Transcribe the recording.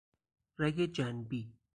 رگ جنبی